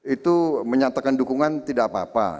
itu menyatakan dukungan tidak apa apa